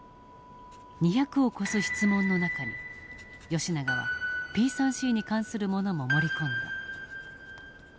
２００を超す質問の中に永はＰ３Ｃに関するものも盛り込んだ。